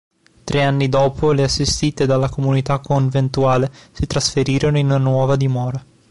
Tre anni dopo le assistite dalla comunità conventuale si trasferirono in una nuova dimora.